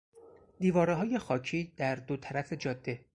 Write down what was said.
دیوارههای خاکی در دو طرف جاده